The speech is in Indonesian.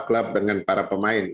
klub dengan para pemain